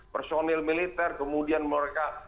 personil militer kemudian mereka